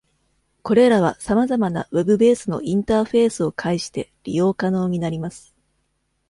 これらはさまざまな Web ベースのインターフェースを介して利用可能になります。